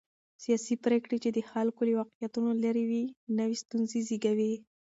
سیاسي پرېکړې چې د خلکو له واقعيتونو لرې وي، نوې ستونزې زېږوي.